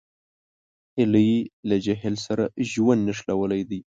هیلۍ له جهیل سره ژوند نښلولی دی